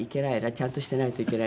ちゃんとしてないといけない。